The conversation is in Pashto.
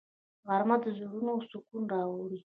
غرمه د زړونو سکون راوړي